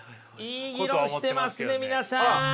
いい議論してますね皆さん！